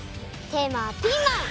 テーマは「ピーマン」！